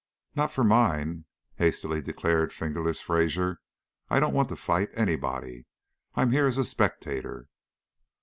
"Not for mine," hastily declared "Fingerless" Fraser. "I don't want to fight anybody. I'm here as a spectator."